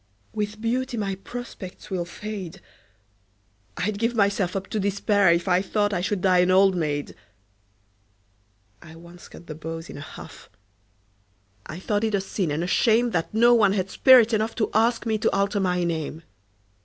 With beauty my prospects will fade I'd give myself up to despair If I thought I should die an old maid! I once cut the beaux in a huff I thought it a sin and a shame That no one had spirit enough To ask me to alter my name.